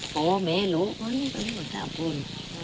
พ่อไม่รู้มีความไม่รู้ผมอัศวิน